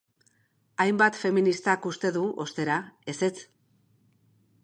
Hainbat feministak uste du, ostera, ezetz.